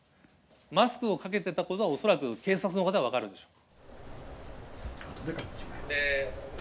マスクをかけてたことは恐らく警察の方は分かるでしょう。